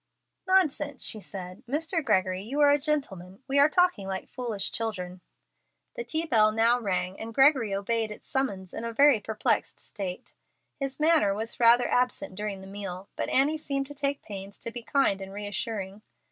"Nonsense," she said. "Mr. Gregory, you are a gentleman. We are talking like foolish children." The tea bell now rang, and Gregory obeyed its summons in a very perplexed state. His manner was rather absent during the meal, but Annie seemed to take pains to be kind and reassuring.